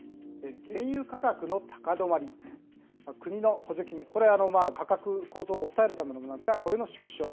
原油価格の高止まり、国の補助金、これ、価格高騰を抑えるものなんですが、これの縮小。